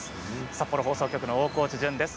札幌放送局の大河内惇です。